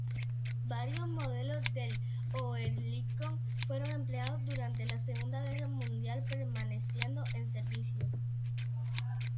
Varios modelos del Oerlikon fueron empleados durante la Segunda Guerra Mundial, permaneciendo en servicio.